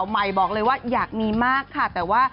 ใหม่บอกเลยว่าอยากมีมากค่ะ